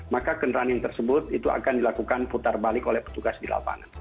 maka kendaraan yang tersebut itu akan dilakukan putar balik oleh petugas di lapangan